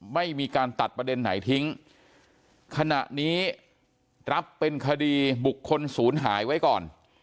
ไม่มีการตัดประเด็นไหนทิ้งขณะนี้รับเป็นคดีบุคคลศูนย์หายไว้ก่อน